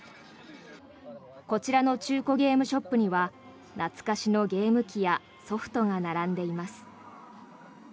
こちらの中古ゲームショップには懐かしのゲーム機やソフトが並んでいます。